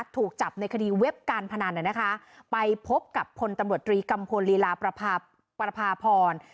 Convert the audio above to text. ถูกจับในคดีเว็บการพนันเนี่ยนะคะไปพบกับผลตำรวจตรีกรรมพลิลาปรภาพร